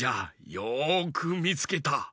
よくみつけた。